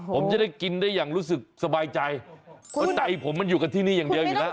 ผมจะได้กินได้อย่างรู้สึกสบายใจเพราะใจผมมันอยู่กันที่นี่อย่างเดียวอยู่แล้ว